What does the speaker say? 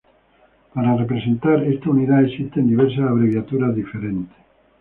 Para representar esta unidad, existen diversas abreviaturas diferentes.